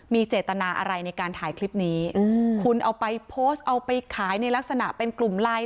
มีเจตนาอะไรในการถ่ายคลิปนี้คุณเอาไปโพสต์เอาไปขายในลักษณะเป็นกลุ่มไลน์